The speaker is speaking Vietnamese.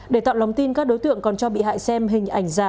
để tạo lòng tin các đối tượng còn cho bị hại xem hình ảnh giả